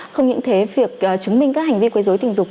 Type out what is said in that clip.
không những thế việc chứng minh các hành vi quấy dối tình dục